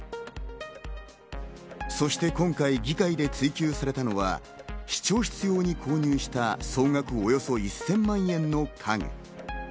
そして今回、議会で追及されたのは、市長室用に購入した総額およそ１０００万円の家具。